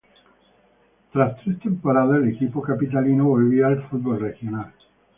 Tras tres temporadas el equipo capitalino volvía al fútbol regional.